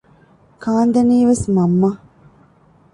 ކާންދެނީވެސް މަންމަ